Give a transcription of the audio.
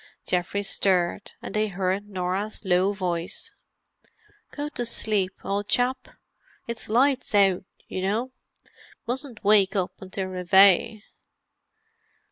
Geoffrey stirred, and they heard Norah's low voice. "Go to sleep, old chap; it's 'Lights Out,' you know. You mustn't wake up until Reveille."